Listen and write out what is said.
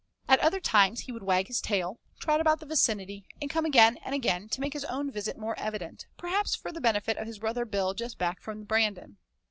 At other times he would wag his tail, trot about the vicinity and come again and again to make his own visit more evident, perhaps for the benefit of his brother Bill just back from Brandon!